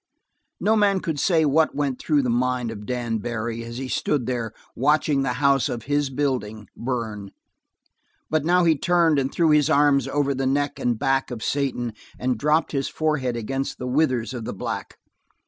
No man could say what went through the mind of Dan Barry as he stood there watching the house of his building burn, but now he turned and threw his arms over the neck and back of Satan, and dropped his forehead against the withers of the black.